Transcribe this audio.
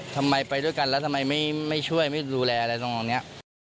ไปด้วยกันแล้วทำไมไม่ช่วยไม่ดูแลอะไรตรงนี้